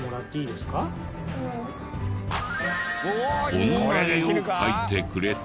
こんな絵を描いてくれた。